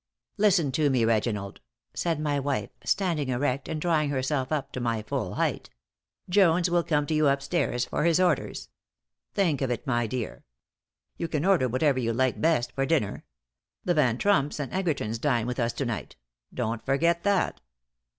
"Listen to me, Reginald," said my wife, standing erect and drawing herself up to my full height. "Jones will come to you up stairs for his orders. Think of it, my dear! You can order whatever you like best for dinner. The Van Tromps and Edgertons dine with us to night. Don't forget that."